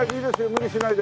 無理しないで。